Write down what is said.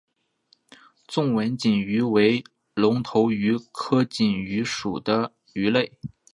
纵纹锦鱼为隆头鱼科锦鱼属的鱼类。